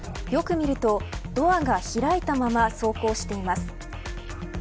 よく見るとドアが開いたまま走行しています。